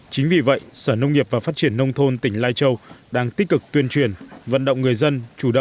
nung nang là xã vùng cao của tỉnh lai châu có độ cao trung bình trên một một trăm linh m rét hại